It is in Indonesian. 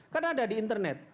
karena ada di internet